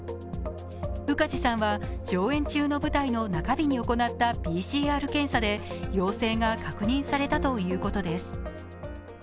宇梶さんは上演中の舞台の中日に行ったＰＣＲ検査で陽性が確認されたということです。